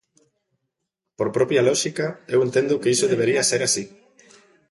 Por propia lóxica, eu entendo que iso debería ser así.